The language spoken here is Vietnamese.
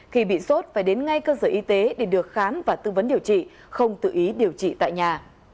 khi bị sốt phải đến ngay cơ sở y tế để được khám và tư vấn điều trị không tự ý điều trị tại nhà